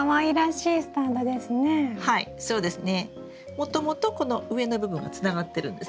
もともとこの上の部分がつながってるんですね。